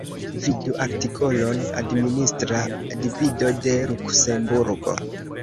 Vidu artikolon Administra divido de Luksemburgo.